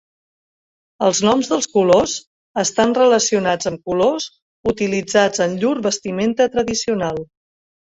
Els noms dels colors estan relacionats amb colors utilitzats en llur vestimenta tradicional.